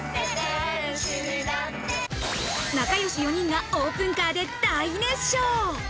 仲良し４人がオープンカーで大熱唱。